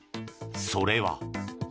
それは。